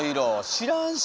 知らんし。